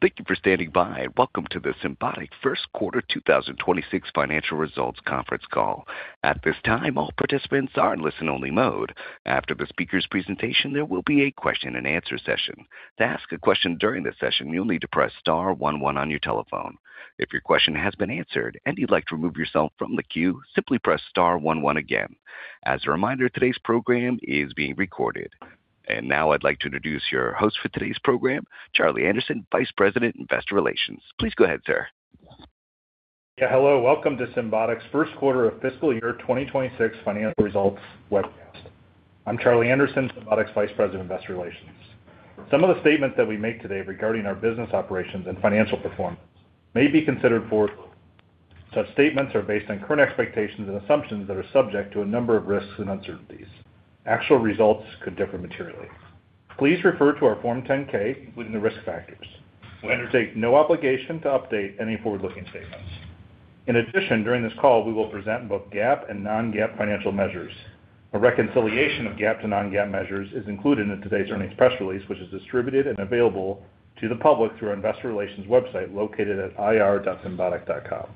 Thank you for standing by, and welcome to the Symbotic First Quarter 2026 Financial Results Conference Call. At this time, all participants are in listen-only mode. After the speaker's presentation, there will be a question-and-answer session. To ask a question during the session, you'll need to press star one one on your telephone. If your question has been answered and you'd like to remove yourself from the queue, simply press star one one again. As a reminder, today's program is being recorded. And now I'd like to introduce your host for today's program, Charlie Anderson, Vice President, Investor Relations. Please go ahead, sir. Yeah, hello. Welcome to Symbotic's first quarter of fiscal year 2026 financial results webcast. I'm Charlie Anderson, Symbotic's Vice President, Investor Relations. Some of the statements that we make today regarding our business operations and financial performance may be considered forward-looking. Such statements are based on current expectations and assumptions that are subject to a number of risks and uncertainties. Actual results could differ materially. Please refer to our Form 10-K, including the risk factors. We undertake no obligation to update any forward-looking statements. In addition, during this call, we will present both GAAP and non-GAAP financial measures. A reconciliation of GAAP to non-GAAP measures is included in today's earnings press release, which is distributed and available to the public through our investor relations website, located at ir.symbotic.com.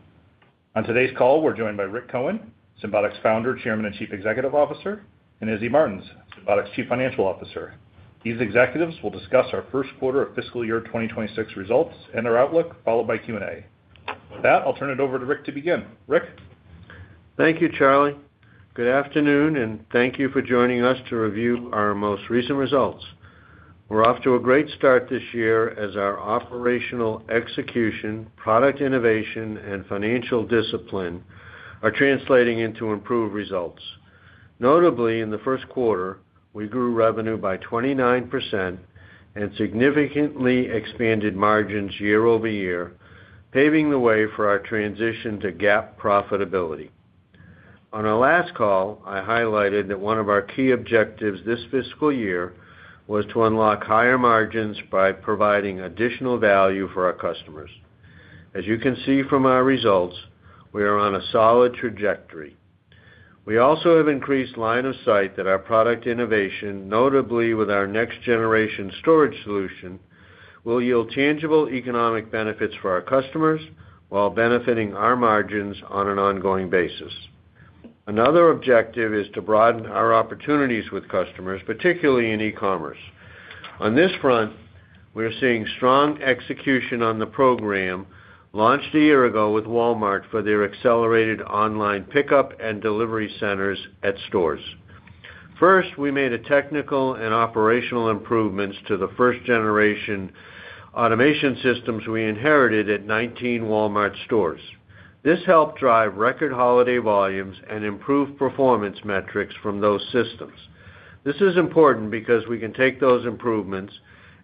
On today's call, we're joined by Rick Cohen, Symbotic's Founder, Chairman, and Chief Executive Officer, and Izzy Martins, Symbotic's Chief Financial Officer. These executives will discuss our first quarter of fiscal year 2026 results and our outlook, followed by Q&A. With that, I'll turn it over to Rick to begin. Rick? Thank you, Charlie. Good afternoon, and thank you for joining us to review our most recent results. We're off to a great start this year as our operational execution, product innovation, and financial discipline are translating into improved results. Notably, in the first quarter, we grew revenue by 29% and significantly expanded margins year-over-year, paving the way for our transition to GAAP profitability. On our last call, I highlighted that one of our key objectives this fiscal year was to unlock higher margins by providing additional value for our customers. As you can see from our results, we are on a solid trajectory. We also have increased line of sight that our product innovation, notably with our next-generation storage solution, will yield tangible economic benefits for our customers while benefiting our margins on an ongoing basis. Another objective is to broaden our opportunities with customers, particularly in e-commerce. On this front, we are seeing strong execution on the program launched a year ago with Walmart for their accelerated online pickup and delivery centers at stores. First, we made a technical and operational improvements to the first-generation Automation Systems we inherited at 19 Walmart stores. This helped drive record holiday volumes and improve performance metrics from those systems. This is important because we can take those improvements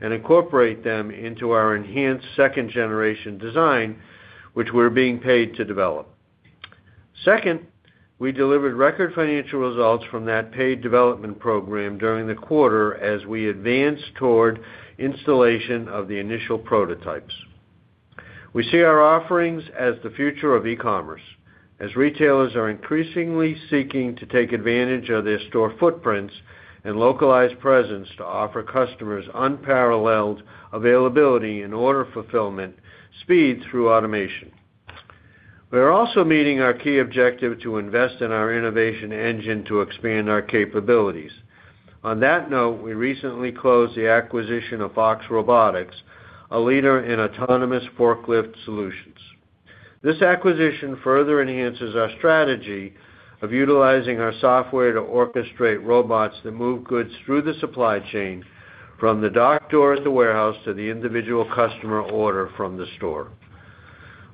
and incorporate them into our enhanced second-generation design, which we're being paid to develop. Second, we delivered record financial results from that paid development program during the quarter as we advanced toward installation of the initial prototypes. We see our offerings as the future of e-commerce, as retailers are increasingly seeking to take advantage of their store footprints and localized presence to offer customers unparalleled availability and order fulfillment speed through automation. We are also meeting our key objective to invest in our innovation engine to expand our capabilities. On that note, we recently closed the acquisition of Fox Robotics, a leader in autonomous forklift solutions. This acquisition further enhances our strategy of utilizing our software to orchestrate robots that move goods through the supply chain, from the dock door at the warehouse to the individual customer order from the store.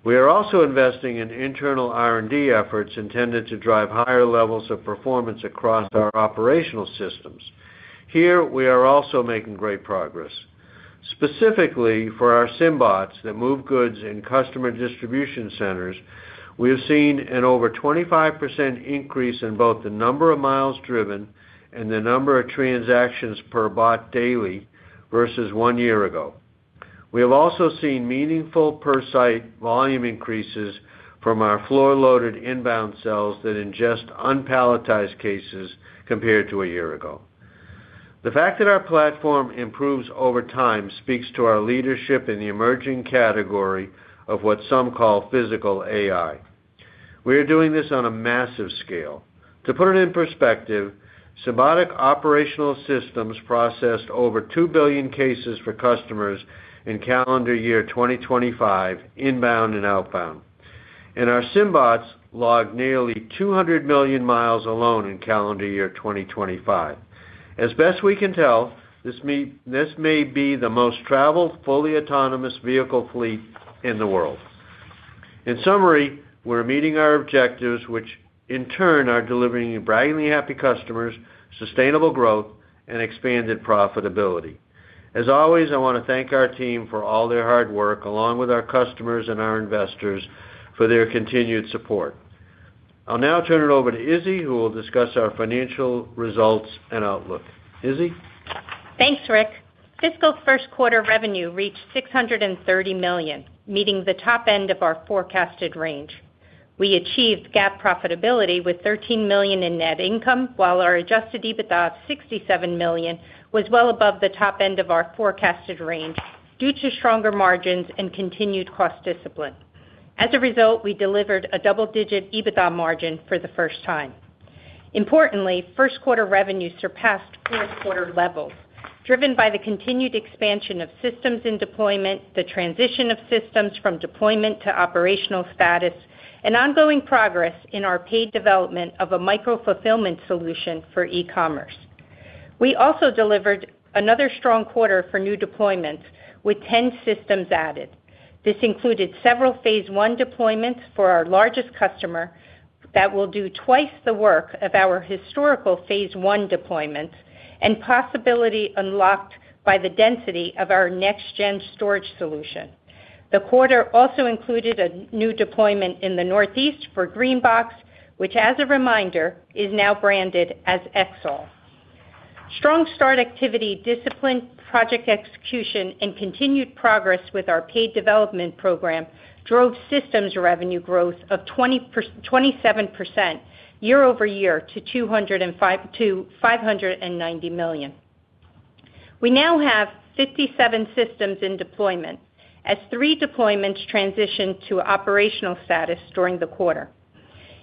We are also investing in internal R&D efforts intended to drive higher levels of performance across our operational systems. Here, we are also making great progress. Specifically, for our SymBots that move goods in customer distribution centers, we have seen an over 25% increase in both the number of miles driven and the number of transactions per bot daily versus one year ago. We have also seen meaningful per-site volume increases from our floor-loaded inbound cells that ingest unpalletized cases compared to a year ago. The fact that our platform improves over time speaks to our leadership in the emerging category of what some call physical AI. We are doing this on a massive scale. To put it in perspective, Symbotic operational systems processed over two billion cases for customers in calendar year 2025, inbound and outbound, and our SymBots logged nearly 200 million miles alone in calendar year 2025. As best we can tell, this may be the most traveled, fully autonomous vehicle fleet in the world. In summary, we're meeting our objectives, which in turn are delivering braggingly happy customers, sustainable growth, and expanded profitability. As always, I want to thank our team for all their hard work, along with our customers and our investors for their continued support. I'll now turn it over to Izzy, who will discuss our financial results and outlook. Izzy? Thanks, Rick. Fiscal first quarter revenue reached $630 million, meeting the top end of our forecasted range. We achieved GAAP profitability with $13 million in net income, while our adjusted EBITDA of $67 million was well above the top end of our forecasted range due to stronger margins and continued cost discipline. As a result, we delivered a double-digit EBITDA margin for the first time. Importantly, first quarter revenue surpassed fourth quarter levels, driven by the continued expansion of systems in deployment, the transition of systems from deployment to operational status, and ongoing progress in our paid development of a micro-fulfillment solution for e-commerce. We also delivered another strong quarter for new deployments, with 10 systems added. This included several phase one deployments for our largest customer that will do twice the work of our historical phase one deployments, and possibility unlocked by the density of our next-gen storage solution. The quarter also included a new deployment in the Northeast for GreenBox, which, as a reminder, is now branded as Exol. Strong start activity, disciplined project execution, and continued progress with our paid development program drove systems revenue growth of 27% year-over-year to $590 million. We now have 57 systems in deployment, as three deployments transitioned to operational status during the quarter.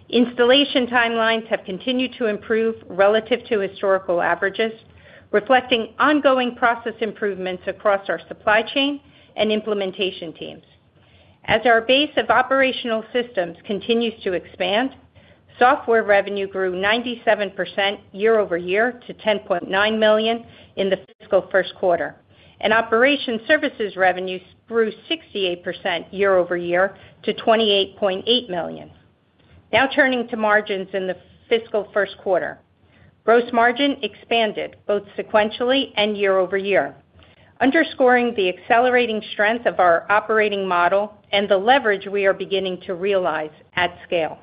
Installation timelines have continued to improve relative to historical averages, reflecting ongoing process improvements across our supply chain and implementation teams. As our base of operational systems continues to expand, software revenue grew 97% year-over-year to $10.9 million in the fiscal first quarter, and operations services revenues grew 68% year-over-year to $28.8 million. Now turning to margins in the fiscal first quarter. Gross margin expanded both sequentially and year-over-year, underscoring the accelerating strength of our operating model and the leverage we are beginning to realize at scale.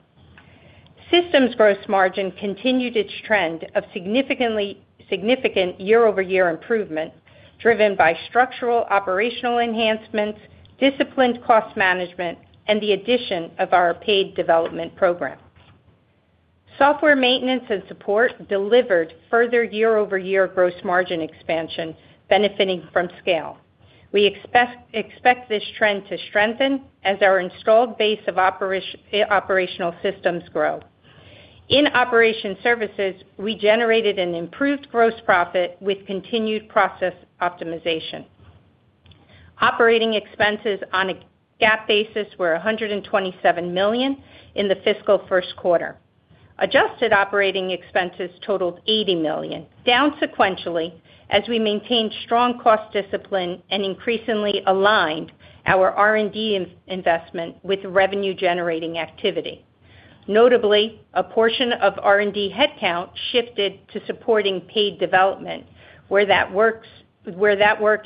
Systems gross margin continued its trend of significant year-over-year improvement, driven by structural operational enhancements, disciplined cost management, and the addition of our paid development program. Software maintenance and support delivered further year-over-year gross margin expansion, benefiting from scale. We expect this trend to strengthen as our installed base of operational systems grow. In operation services, we generated an improved gross profit with continued process optimization. Operating expenses on a GAAP basis were $127 million in the fiscal first quarter. Adjusted operating expenses totaled $80 million, down sequentially, as we maintained strong cost discipline and increasingly aligned our R&D investment with revenue-generating activity. Notably, a portion of R&D headcount shifted to supporting paid development, where that work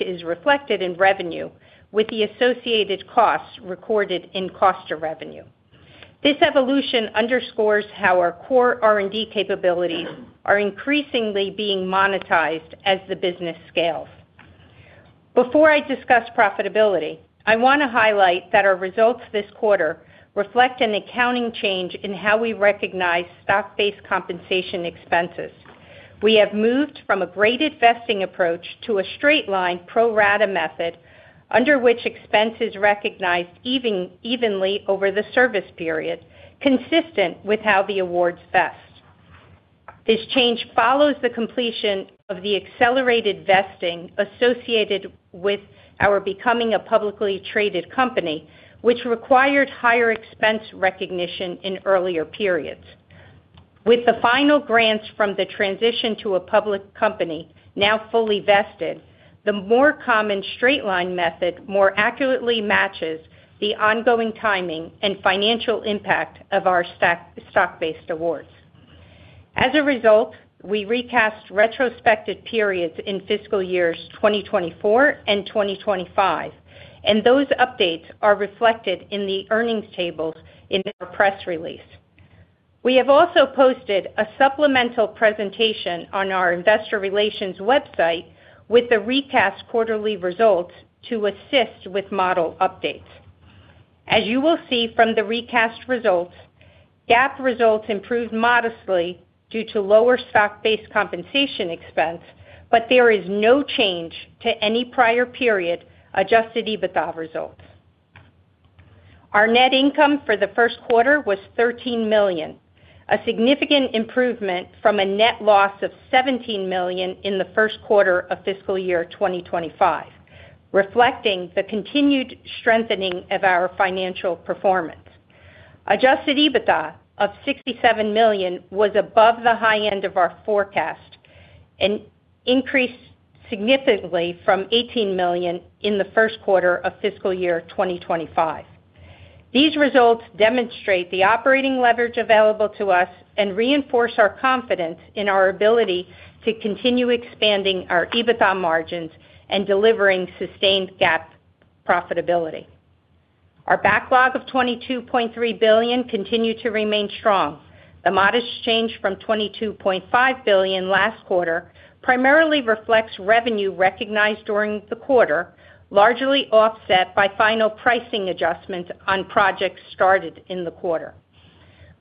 is reflected in revenue, with the associated costs recorded in cost of revenue. This evolution underscores how our core R&D capabilities are increasingly being monetized as the business scales. Before I discuss profitability, I want to highlight that our results this quarter reflect an accounting change in how we recognize stock-based compensation expenses. We have moved from a graded vesting approach to a straight-line, pro rata method, under which expense is recognized evenly over the service period, consistent with how the awards vest. This change follows the completion of the accelerated vesting associated with our becoming a publicly traded company, which required higher expense recognition in earlier periods. With the final grants from the transition to a public company now fully vested, the more common straight-line method more accurately matches the ongoing timing and financial impact of our stock-based awards. As a result, we recast retrospective periods in fiscal years 2024 and 2025, and those updates are reflected in the earnings tables in our press release. We have also posted a supplemental presentation on our investor relations website with the recast quarterly results to assist with model updates. As you will see from the recast results, GAAP results improved modestly due to lower stock-based compensation expense, but there is no change to any prior period adjusted EBITDA results. Our net income for the first quarter was $13 million, a significant improvement from a net loss of $17 million in the first quarter of fiscal year 2025, reflecting the continued strengthening of our financial performance. Adjusted EBITDA of $67 million was above the high end of our forecast and increased significantly from $18 million in the first quarter of fiscal year 2025. These results demonstrate the operating leverage available to us and reinforce our confidence in our ability to continue expanding our EBITDA margins and delivering sustained GAAP profitability. Our backlog of $22.3 billion continued to remain strong. The modest change from $22.5 billion last quarter primarily reflects revenue recognized during the quarter, largely offset by final pricing adjustments on projects started in the quarter.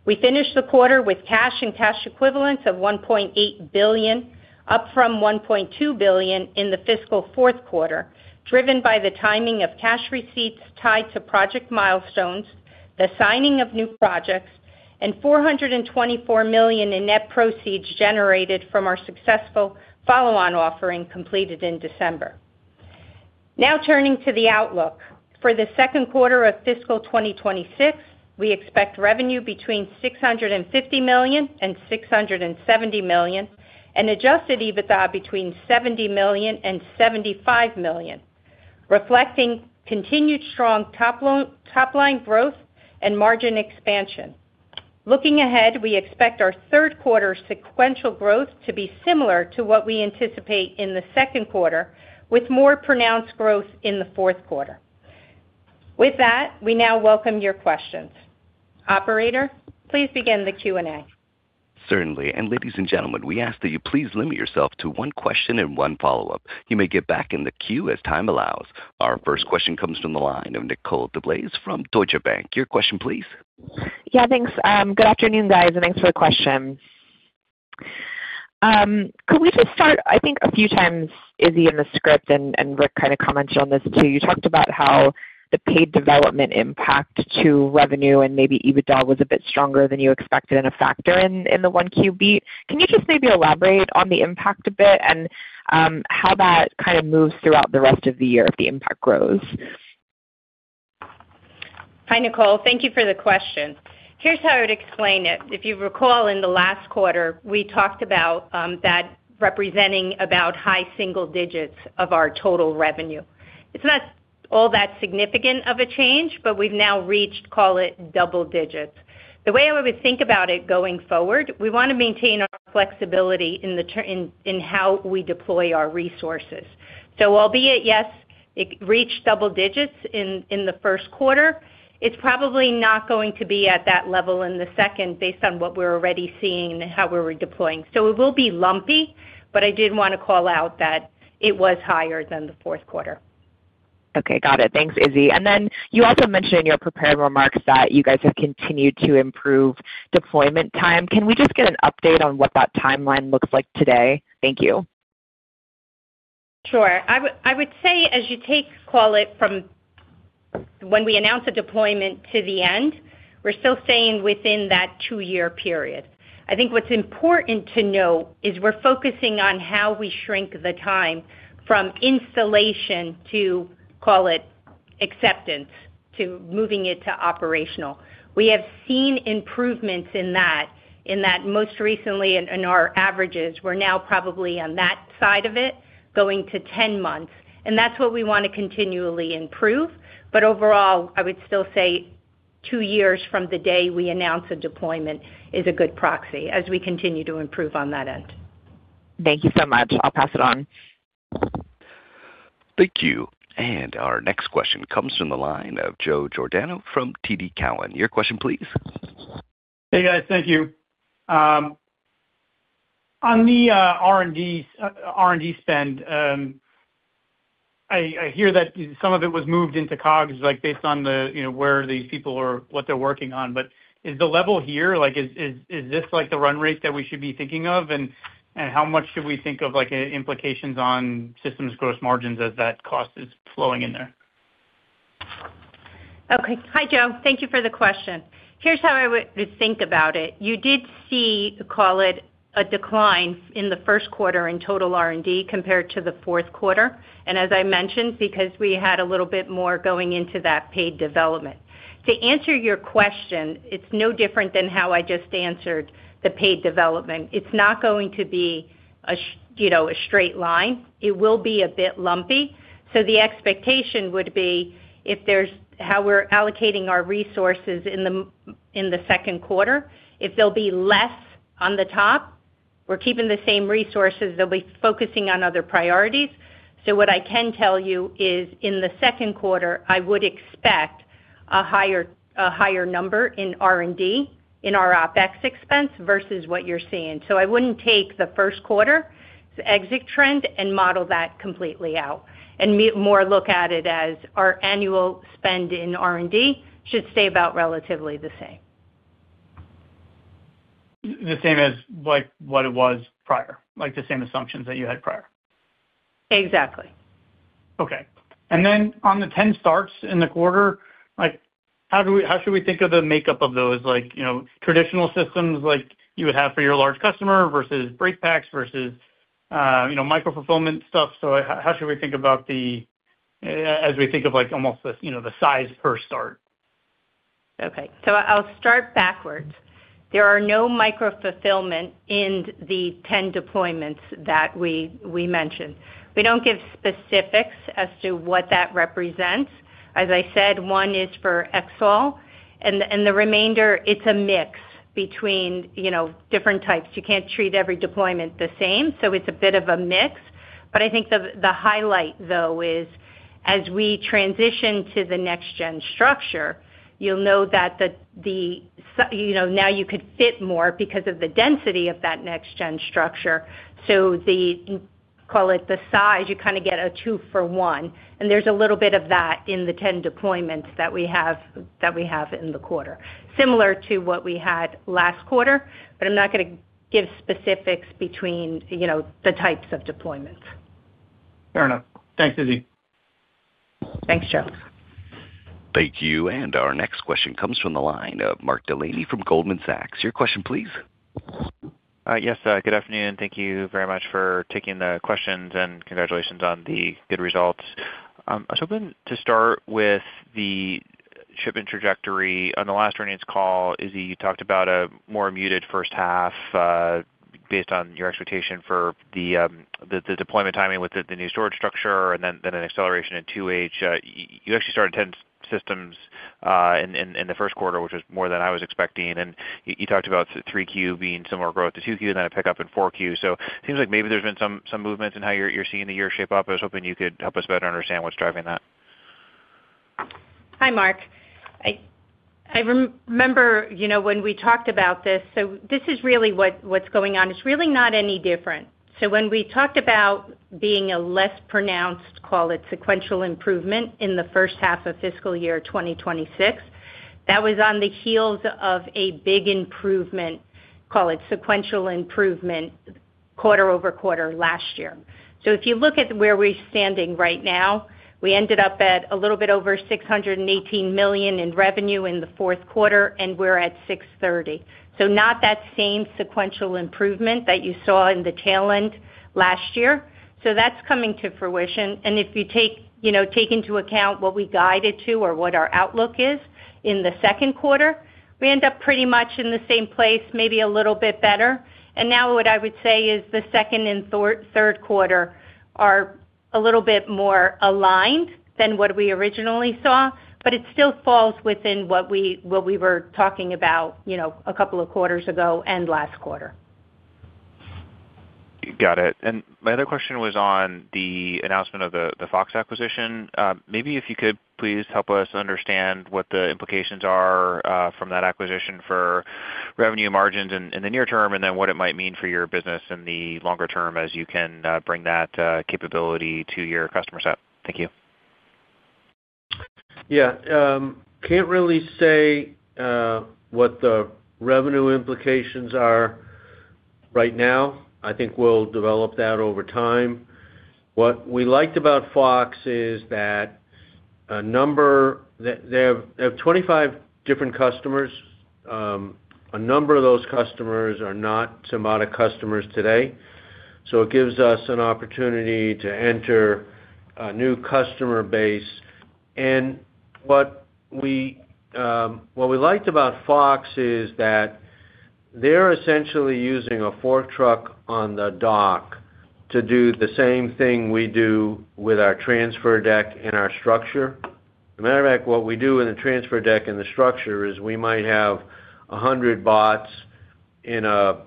We finished the quarter with cash and cash equivalents of $1.8 billion, up from $1.2 billion in the fiscal fourth quarter, driven by the timing of cash receipts tied to project milestones, the signing of new projects, and $424 million in net proceeds generated from our successful follow-on offering completed in December. Now turning to the outlook. For the second quarter of fiscal 2026, we expect revenue between $650 million and $670 million, and Adjusted EBITDA between $70 million and $75 million, reflecting continued strong top line growth and margin expansion. Looking ahead, we expect our third quarter sequential growth to be similar to what we anticipate in the second quarter, with more pronounced growth in the fourth quarter. With that, we now welcome your questions. Operator, please begin the Q&A. Certainly. And ladies and gentlemen, we ask that you please limit yourself to one question and one follow-up. You may get back in the queue as time allows. Our first question comes from the line of Nicole DeBlase from Deutsche Bank. Your question, please. Yeah, thanks. Good afternoon, guys, and thanks for the question. Could we just start, I think a few times, Izzy, in the script, and, and Rick kind of commented on this too, you talked about how the paid development impact to revenue and maybe EBITDA was a bit stronger than you expected and a factor in, in the 1Q beat. Can you just maybe elaborate on the impact a bit and, how that kind of moves throughout the rest of the year if the impact grows? Hi, Nicole. Thank you for the question. Here's how I would explain it. If you recall, in the last quarter, we talked about that representing about high single digits of our total revenue. It's not all that significant of a change, but we've now reached, call it, double digits. The way I would think about it going forward, we wanna maintain our flexibility in how we deploy our resources. So albeit, yes, it reached double digits in the first quarter, it's probably not going to be at that level in the second, based on what we're already seeing and how we're redeploying. So it will be lumpy, but I did wanna call out that it was higher than the fourth quarter. Okay, got it. Thanks, Izzy. And then you also mentioned in your prepared remarks that you guys have continued to improve deployment time. Can we just get an update on what that timeline looks like today? Thank you. Sure. I would, I would say as you take, call it, from when we announce a deployment to the end, we're still staying within that two-year period. I think what's important to note is we're focusing on how we shrink the time from installation to, call it, acceptance, to moving it to operational. We have seen improvements in that, in that most recently in, in our averages, we're now probably on that side of it, going to ten months, and that's what we wanna continually improve. But overall, I would still say two years from the day we announce a deployment is a good proxy as we continue to improve on that end. Thank you so much. I'll pass it on. Thank you. Our next question comes from the line of Joe Giordano from TD Cowen. Your question please. Hey, guys. Thank you. On the R&D spend, I hear that some of it was moved into COGS, like, based on the, you know, where these people are, what they're working on. But is the level here, like, the run rate that we should be thinking of? And how much should we think of, like, implications on Systems gross margins as that cost is flowing in there? Okay. Hi, Joe. Thank you for the question. Here's how I would think about it. You did see, call it, a decline in the first quarter in total R&D compared to the fourth quarter, and as I mentioned, because we had a little bit more going into that paid development. To answer your question, it's no different than how I just answered the paid development. It's not going to be a, you know, a straight line. It will be a bit lumpy. So the expectation would be if there's, how we're allocating our resources in the second quarter, if there'll be less on the top, we're keeping the same resources, they'll be focusing on other priorities. So what I can tell you is, in the second quarter, I would expect a higher, a higher number in R&D, in our OpEx expense versus what you're seeing. So I wouldn't take the first quarter, the exit trend, and model that completely out. And more look at it as our annual spend in R&D should stay about relatively the same. The same as, like, what it was prior, like, the same assumptions that you had prior? Exactly. Okay. And then on the 10 starts in the quarter, like, how should we think of the makeup of those? Like, you know, traditional systems like you would have for your large customer versus break packs versus, you know, micro-fulfillment stuff. So how should we think about the, as we think of, like, almost the, you know, the size per start? Okay, so I'll start backwards. There are no micro-fulfillment in the 10 deployments that we mentioned. We don't give specifics as to what that represents. As I said, one is for Exol, and the remainder, it's a mix between, you know, different types. You can't treat every deployment the same, so it's a bit of a mix. But I think the highlight, though, is as we transition to the next-gen structure, you'll know that, you know, now you could fit more because of the density of that next-gen structure. So, call it the size, you kind of get a two for one, and there's a little bit of that in the 10 deployments that we have in the quarter. Similar to what we had last quarter, but I'm not gonna give specifics between, you know, the types of deployments. Fair enough. Thanks, Izzy. Thanks, Joe. Thank you. And our next question comes from the line of Mark Delaney from Goldman Sachs. Your question, please. Yes, good afternoon. Thank you very much for taking the questions, and congratulations on the good results. I was hoping to start with the shipment trajectory. On the last earnings call, Izzy, you talked about a more muted first half, based on your expectation for the deployment timing with the new storage structure and then an acceleration in 2H. You actually started 10 systems in the first quarter, which was more than I was expecting. And you talked about 3Q being similar growth to 2Q and then a pickup in 4Q. It seems like maybe there's been some movements in how you're seeing the year shape up. I was hoping you could help us better understand what's driving that. Hi, Mark. I remember, you know, when we talked about this, so this is really what's going on. It's really not any different. So when we talked about being a less pronounced, call it, sequential improvement in the first half of fiscal year 2026, that was on the heels of a big improvement, call it sequential improvement, quarter-over-quarter last year. So if you look at where we're standing right now, we ended up at a little bit over $618 million in revenue in the fourth quarter, and we're at $630 million. So not that same sequential improvement that you saw in the tail end last year. So that's coming to fruition, and if you take, you know, take into account what we guided to or what our outlook is in the second quarter, we end up pretty much in the same place, maybe a little bit better. And now what I would say is the second and third quarter are a little bit more aligned than what we originally saw, but it still falls within what we, what we were talking about, you know, a couple of quarters ago and last quarter. Got it. And my other question was on the announcement of the Fox acquisition. Maybe if you could please help us understand what the implications are from that acquisition for revenue margins in the near term, and then what it might mean for your business in the longer term as you can bring that capability to your customer set. Thank you. Yeah, can't really say what the revenue implications are right now. I think we'll develop that over time. What we liked about Fox is that a number. They have 25 different customers. A number of those customers are not Symbotic customers today, so it gives us an opportunity to enter a new customer base. What we liked about Fox is that they're essentially using a fork truck on the dock to do the same thing we do with our transfer deck and our structure. As a matter of fact, what we do in the transfer deck and the structure is we might have 100 bots in a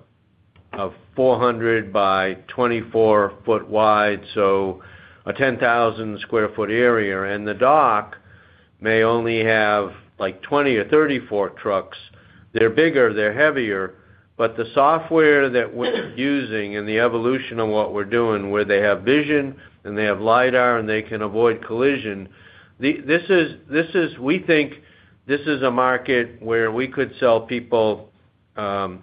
400 by 24 foot wide, so a 10,000 sq ft area. The dock may only have, like, 20 or 30 fork trucks. They're bigger, they're heavier, but the software that we're using and the evolution of what we're doing, where they have vision and they have LIDAR, and they can avoid collision. We think this is a market where we could sell people dock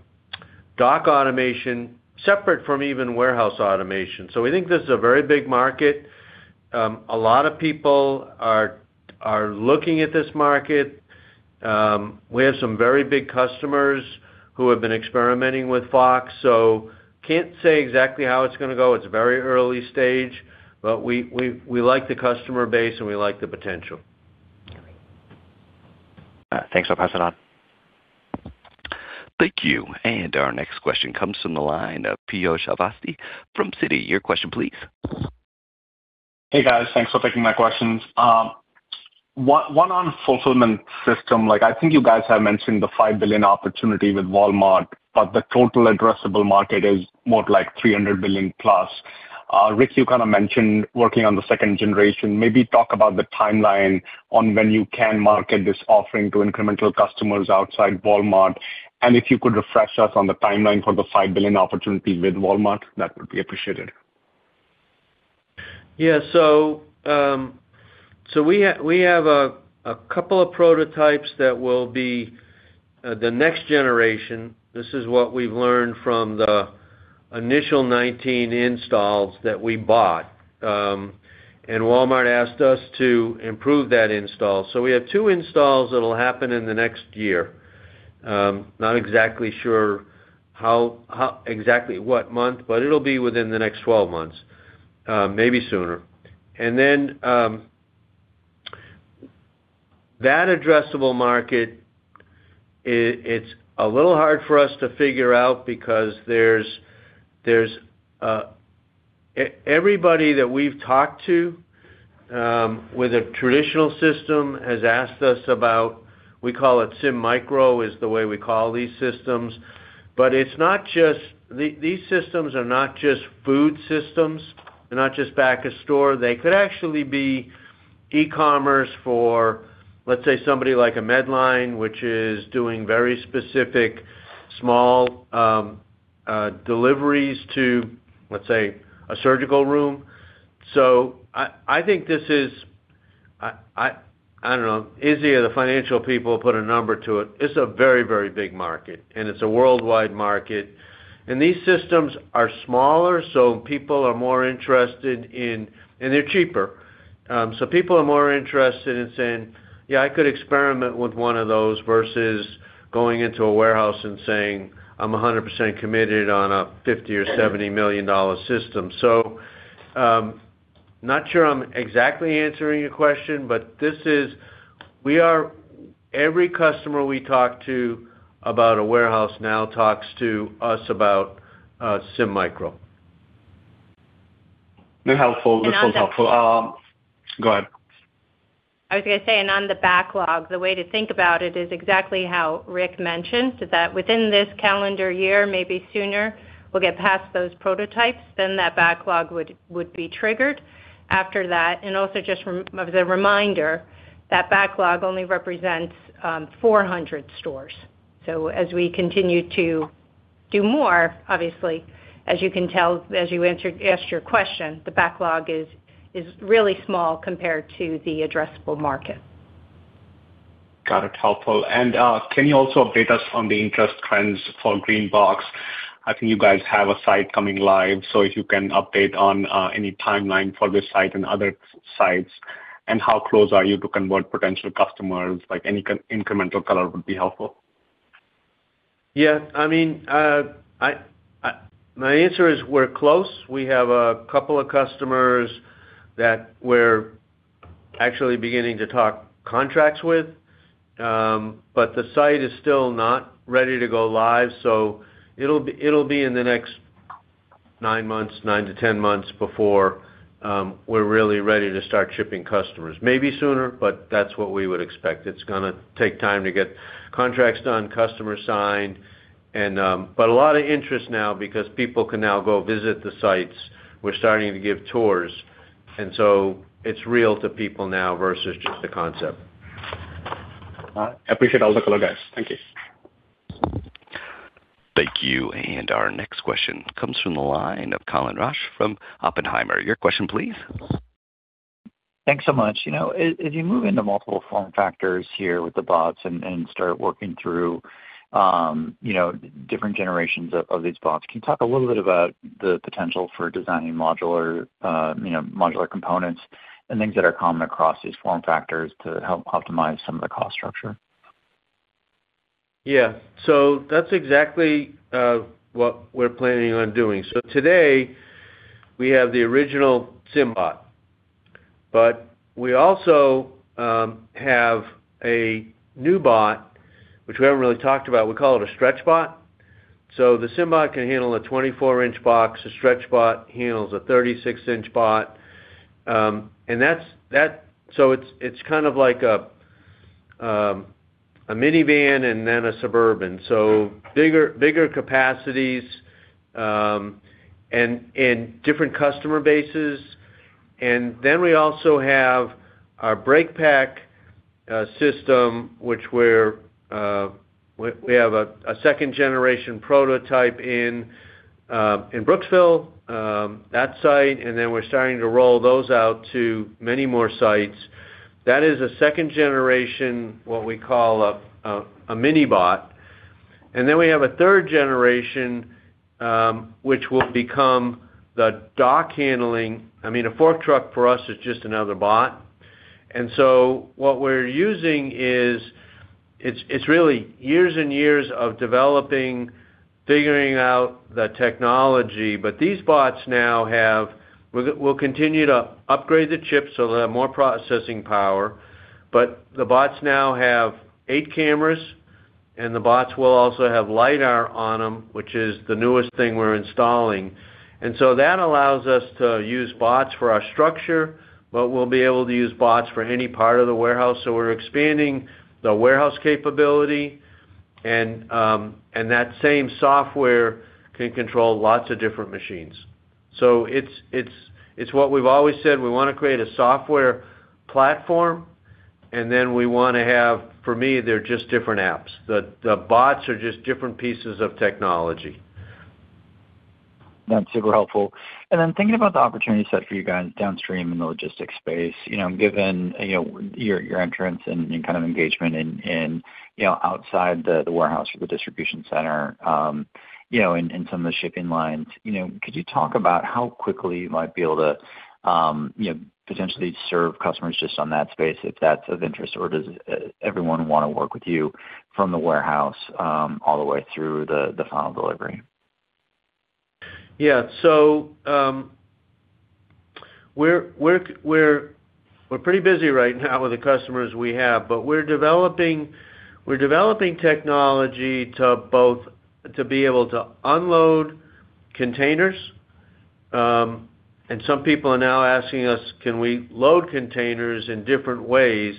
automation separate from even warehouse automation. So we think this is a very big market. A lot of people are looking at this market. We have some very big customers who have been experimenting with Fox. So can't say exactly how it's gonna go. It's very early stage, but we like the customer base, and we like the potential. Thanks. I'll pass it on. Thank you. Our next question comes from the line of Piyush Avasthi from Citi. Your question, please. Hey, guys. Thanks for taking my questions. One on fulfillment system. Like, I think you guys have mentioned the $5 billion opportunity with Walmart, but the total addressable market is more like $300 billion plus. Rick, you kind of mentioned working on the second generation. Maybe talk about the timeline on when you can market this offering to incremental customers outside Walmart. And if you could refresh us on the timeline for the $5 billion opportunity with Walmart, that would be appreciated. Yeah, so we have a couple of prototypes that will be the next generation. This is what we've learned from the initial 19 installs that we bought. Walmart asked us to improve that install. So we have two installs that'll happen in the next year. Not exactly sure how exactly what month, but it'll be within the next 12 months, maybe sooner. That addressable market, it's a little hard for us to figure out because everybody that we've talked to with a traditional system has asked us about, we call it SymMicro, is the way we call these systems. But it's not just these systems are not just food systems, they're not just back of store. They could actually be e-commerce for, let's say, somebody like a Medline, which is doing very specific small deliveries to, let's say, a surgical room. So I think this is. I don't know, Izzy or the financial people put a number to it. It's a very, very big market, and it's a worldwide market. And these Systems are smaller, so people are more interested in... And they're cheaper. So people are more interested in saying, "Yeah, I could experiment with one of those," versus going into a warehouse and saying, "I'm 100% committed on a $50 million-$70 million system." So, not sure I'm exactly answering your question, but this is. We are. Every customer we talk to about a warehouse now talks to us about SymMicro. Very helpful. This one's helpful. Go ahead. I was gonna say, and on the backlog, the way to think about it is exactly how Rick mentioned, is that within this calendar year, maybe sooner, we'll get past those prototypes, then that backlog would be triggered. After that, and also just as a reminder, that backlog only represents 400 stores. So as we continue to do more, obviously, as you can tell, as you asked your question, the backlog is really small compared to the addressable market. Got it. Helpful. And, can you also update us on the interest trends for GreenBox? I think you guys have a site coming live, so if you can update on, any timeline for this site and other sites, and how close are you to convert potential customers? Like, any incremental color would be helpful. Yeah, I mean, my answer is we're close. We have a couple of customers that we're actually beginning to talk contracts with, but the site is still not ready to go live, so it'll be, it'll be in the next nine months, nine to 10 months before, we're really ready to start shipping customers. Maybe sooner, but that's what we would expect. It's gonna take time to get contracts done, customers signed, and... But a lot of interest now because people can now go visit the sites. We're starting to give tours, and so it's real to people now versus just a concept. Appreciate all the color, guys. Thank you. Thank you. And our next question comes from the line of Colin Rusch from Oppenheimer. Your question, please. Thanks so much. You know, as you move into multiple form factors here with the bots and start working through, you know, different generations of these bots, can you talk a little bit about the potential for designing modular, you know, modular components and things that are common across these form factors to help optimize some of the cost structure? Yeah. So that's exactly what we're planning on doing. So today, we have the original SymBot, but we also have a new bot, which we haven't really talked about. We call it a StretchBot. So the SymBot can handle a 24-inch box, the StretchBot handles a 36-inch box. And that's, that—so it's, it's kind of like a minivan and then a Suburban. So bigger, bigger capacities, and different customer bases. And then we also have our break pack system, which we're, we have a second generation prototype in Brooksville, that site, and then we're starting to roll those out to many more sites. That is a second generation, what we call a MiniBot. And then we have a third generation, which will become the dock handling. I mean, a fork truck for us is just another bot. And so what we're using is, it's really years and years of developing, figuring out the technology. But these bots now have... We'll continue to upgrade the chips so they'll have more processing power, but the bots now have eight cameras, and the bots will also have LIDAR on them, which is the newest thing we're installing. And so that allows us to use bots for our structure, but we'll be able to use bots for any part of the warehouse. So we're expanding the warehouse capability, and, and that same software can control lots of different machines. So it's what we've always said, we want to create a software platform, and then we wanna have... For me, they're just different apps. The bots are just different pieces of technology. That's super helpful. Then, thinking about the opportunity set for you guys downstream in the logistics space, you know, given, you know, your entrance and kind of engagement in, you know, outside the warehouse or the distribution center, you know, and some of the shipping lines, you know, could you talk about how quickly you might be able to, you know, potentially serve customers just on that space, if that's of interest, or does everyone want to work with you from the warehouse all the way through the final delivery? Yeah. So, we're pretty busy right now with the customers we have, but we're developing technology to both be able to unload containers, and some people are now asking us, can we load containers in different ways?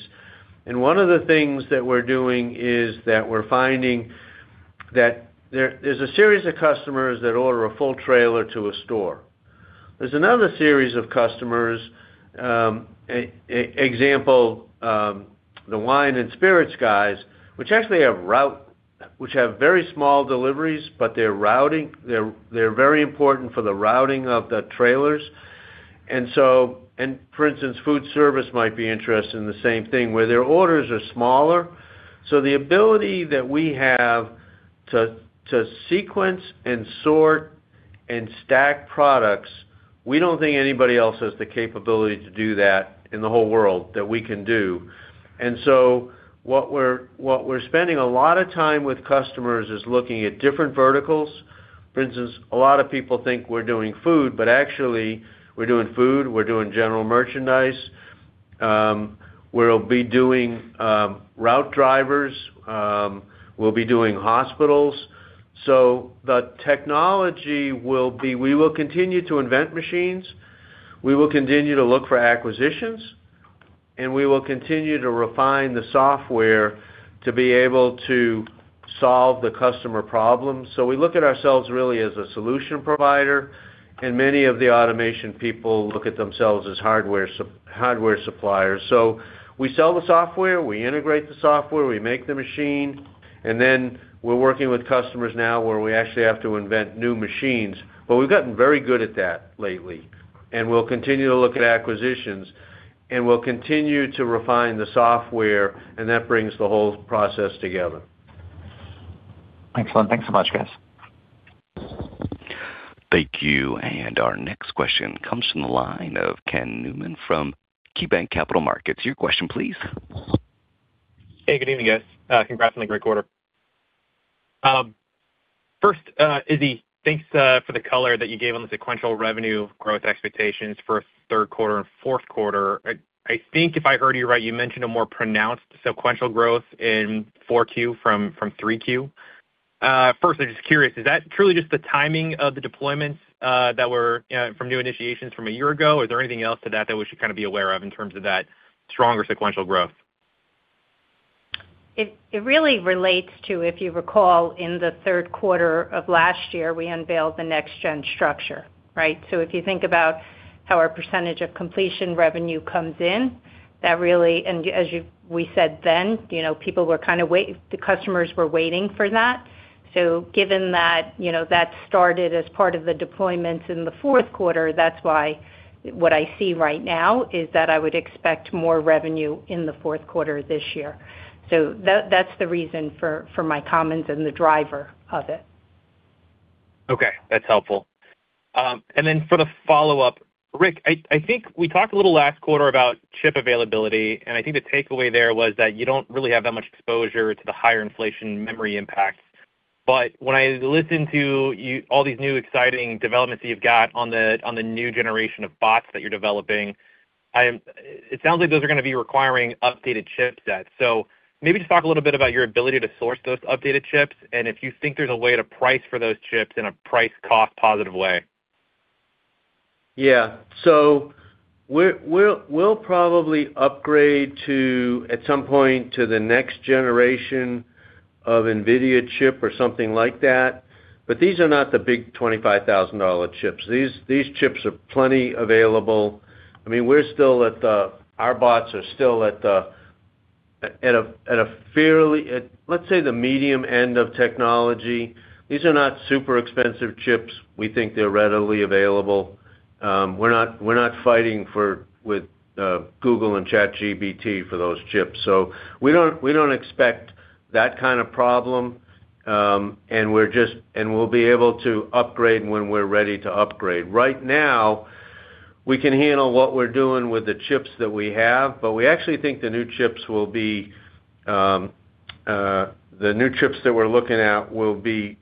And one of the things that we're doing is that we're finding that there's a series of customers that order a full trailer to a store. There's another series of customers, example, the wine and spirits guys, which actually have very small deliveries, but they're routing. They're very important for the routing of the trailers. And for instance, food service might be interested in the same thing, where their orders are smaller. So the ability that we have to sequence and sort and stack products, we don't think anybody else has the capability to do that in the whole world, that we can do. And so what we're spending a lot of time with customers is looking at different verticals. For instance, a lot of people think we're doing food, but actually, we're doing food, we're doing general merchandise, we'll be doing route drivers, we'll be doing hospitals. So the technology will be. We will continue to invent machines, we will continue to look for acquisitions, and we will continue to refine the software to be able to solve the customer problems. So we look at ourselves really as a solution provider, and many of the automation people look at themselves as hardware suppliers. So we sell the software, we integrate the software, we make the machine, and then we're working with customers now where we actually have to invent new machines. But we've gotten very good at that lately, and we'll continue to look at acquisitions, and we'll continue to refine the software, and that brings the whole process together. Excellent. Thanks so much, guys. Thank you. And our next question comes from the line of Ken Newman from KeyBanc Capital Markets. Your question, please. Hey, good evening, guys. Congrats on the great quarter. First, Izzy, thanks for the color that you gave on the sequential revenue growth expectations for third quarter and fourth quarter. I think if I heard you right, you mentioned a more pronounced sequential growth in 4Q from 3Q. First, I'm just curious, is that truly just the timing of the deployments that were from new initiations from a year ago? Or is there anything else to that we should kinda be aware of in terms of that stronger sequential growth? It really relates to, if you recall, in the third quarter of last year, we unveiled the next-gen structure, right? So if you think about how our percentage of completion revenue comes in, that really... And as we said then, you know, people were kinda waiting—the customers were waiting for that. So given that, you know, that started as part of the deployments in the fourth quarter, that's why what I see right now is that I would expect more revenue in the fourth quarter this year. So that's the reason for my comments and the driver of it. Okay, that's helpful. And then for the follow-up, Rick, I think we talked a little last quarter about chip availability, and I think the takeaway there was that you don't really have that much exposure to the higher inflation memory impact. But when I listen to you, all these new exciting developments that you've got on the new generation of bots that you're developing, it sounds like those are gonna be requiring updated chipsets. So maybe just talk a little bit about your ability to source those updated chips, and if you think there's a way to price for those chips in a price, cost-positive way. Yeah. So we'll, we'll probably upgrade to, at some point, to the next generation of NVIDIA chip or something like that, but these are not the big $25,000 chips. These, these chips are plenty available. I mean, we're still at the—our bots are still at the, at a fairly, at, let's say, the medium end of technology. These are not super expensive chips. We think they're readily available. We're not, we're not fighting for, with, Google and ChatGPT for those chips. So we don't, we don't expect that kind of problem, and we're just—and we'll be able to upgrade when we're ready to upgrade. Right now, we can handle what we're doing with the chips that we have, but we actually think the new chips that we're looking at will be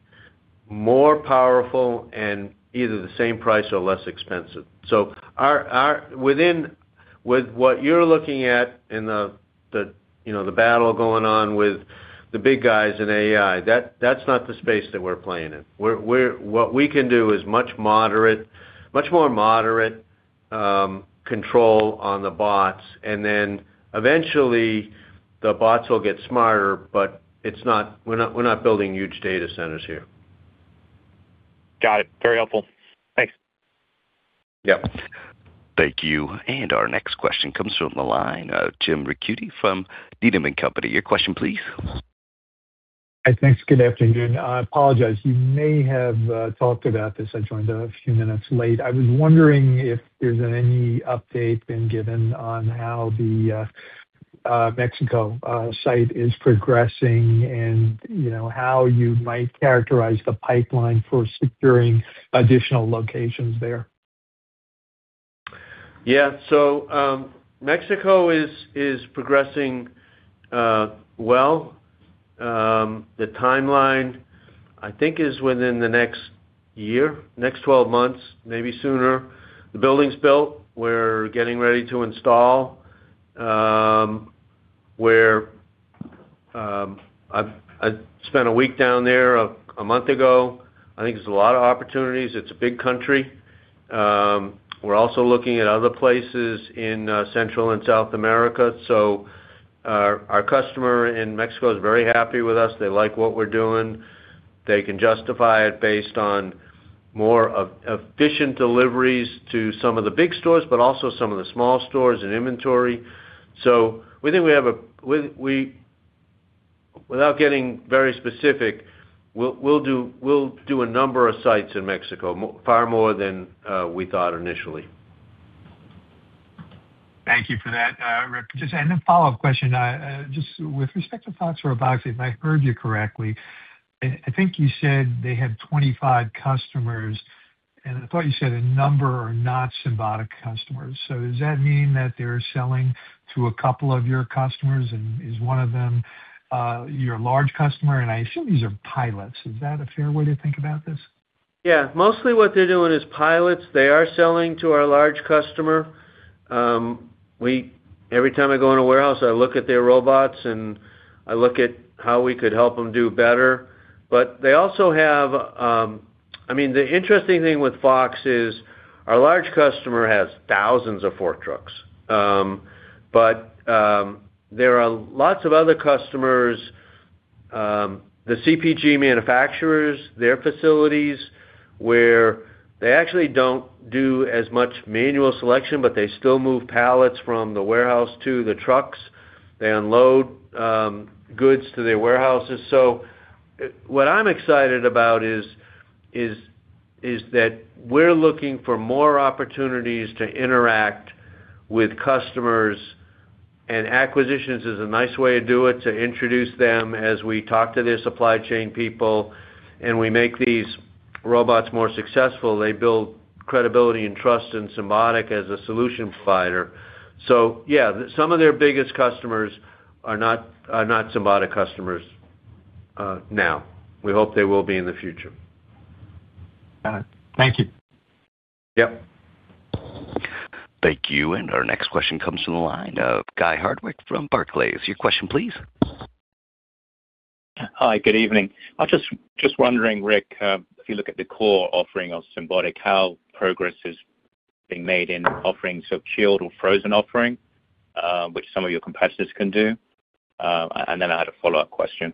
more powerful and either the same price or less expensive. With what you're looking at in the, you know, the battle going on with the big guys in AI, that's not the space that we're playing in. What we can do is much more moderate control on the bots, and then eventually, the bots will get smarter, but we're not building huge data centers here. Got it. Very helpful. Thanks. Yep. Thank you. Our next question comes from the line of Jim Ricchiuti from Needham & Company. Your question, please. Hi, thanks. Good afternoon. I apologize. You may have talked about this. I joined a few minutes late. I was wondering if there's any update been given on how the Mexico site is progressing and, you know, how you might characterize the pipeline for securing additional locations there? Yeah. So, Mexico is progressing well. The timeline, I think, is within the next year, next 12 months, maybe sooner. The building's built. We're getting ready to install. I've spent a week down there a month ago. I think there's a lot of opportunities. It's a big country. We're also looking at other places in Central and South America. So, our customer in Mexico is very happy with us. They like what we're doing. They can justify it based on more efficient deliveries to some of the big stores, but also some of the small stores and inventory. So we think we have a—we, without getting very specific, we'll do a number of sites in Mexico, far more than we thought initially. Thank you for that, Rick. Just and then a follow-up question. Just with respect to Fox Robotics, if I heard you correctly, I, I think you said they had 25 customers, and I thought you said a number are not Symbotic customers. So does that mean that they're selling to a couple of your customers, and is one of them your large customer? And I assume these are pilots. Is that a fair way to think about this? Yeah, mostly what they're doing is pilots. They are selling to our large customer. Every time I go in a warehouse, I look at their robots, and I look at how we could help them do better. But they also have... I mean, the interesting thing with Fox is our large customer has thousands of fork trucks. But there are lots of other customers, the CPG manufacturers, their facilities, where they actually don't do as much manual selection, but they still move pallets from the warehouse to the trucks. They unload goods to their warehouses. So what I'm excited about is that we're looking for more opportunities to interact with customers, and acquisitions is a nice way to do it, to introduce them as we talk to their supply chain people, and we make these robots more successful. They build credibility and trust in Symbotic as a solution provider. So yeah, some of their biggest customers are not, are not Symbotic customers, now. We hope they will be in the future. Got it. Thank you. Yep. Thank you, and our next question comes from the line of Guy Hardwick from Barclays. Your question, please. Hi, good evening. I was just wondering, Rick, if you look at the core offering of Symbotic, how progress is being made in offerings of chilled or frozen offering, which some of your competitors can do? And then I had a follow-up question.